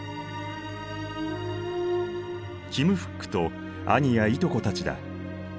キム・フックと兄やいとこたちだ。